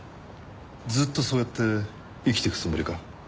ずっとそうやって生きていくつもりか？